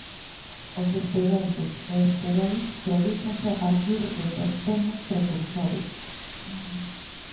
Os esteroides e esterois prodúcense a partir de terpenos precursores.